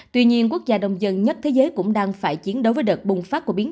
tuy nhiên quốc gia đông dân nhất thế giới cũng đang phải chiến đấu với đợt bùng phát của biến